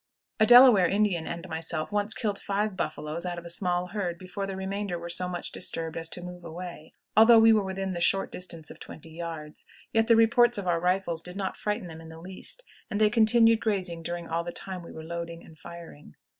A Delaware Indian and myself once killed five buffaloes out of a small herd before the remainder were so much disturbed as to move away; although we were within the short distance of twenty yards, yet the reports of our rifles did not frighten them in the least, and they continued grazing during all the time we were loading and firing.